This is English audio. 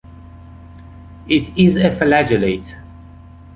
It is a flagellate.